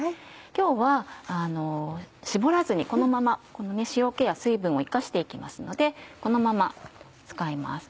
今日は絞らずにこのまま塩気や水分を生かして行きますのでこのまま使います